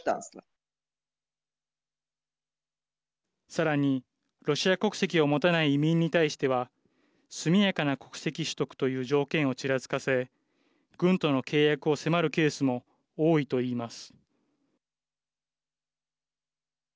さらにロシア国籍を持たない移民に対しては速やかな国籍取得という条件をちらつかせ軍との契約を迫るケースも多いといいます。